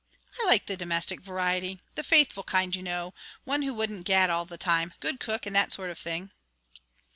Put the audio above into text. "I like the domestic variety. The faithful kind, you know. One who wouldn't gad all the time. Good cook, and that sort of thing."